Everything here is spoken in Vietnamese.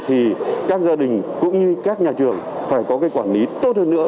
thì các gia đình cũng như các nhà trường phải có cái quản lý tốt hơn nữa